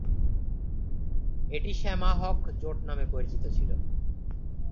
এটি শ্যামা-হক জোট নামে পরিচিত ছিল।